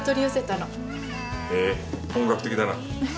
へえ本格的だな。